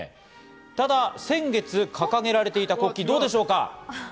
ただ先月掲げられていた国旗、どうでしょうか。